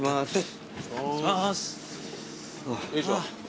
よいしょ。